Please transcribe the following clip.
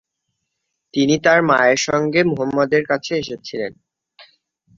তিনি তাঁর মার সাথে মুহাম্মাদ এর কাছে এসেছিলেন।